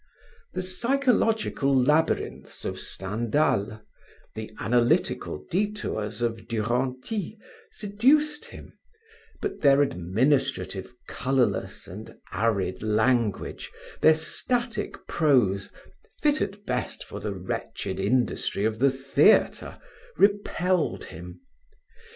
The psychological labyrinths of Stendhal, the analytical detours of Duranty seduced him, but their administrative, colorless and arid language, their static prose, fit at best for the wretched industry of the theatre, repelled him.